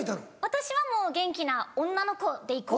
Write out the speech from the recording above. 私はもう元気な女の子で行こう。